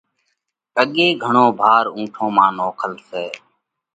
اڳي گھڻو ڀار اُونٺون مانه نوکل سئہ